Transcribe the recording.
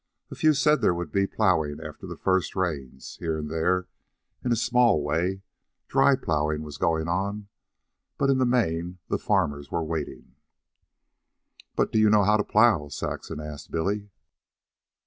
A few said there would be plowing after the first rains. Here and there, in a small way, dry plowing was going on. But in the main the farmers were waiting. "But do you know how to plow?" Saxon asked Billy.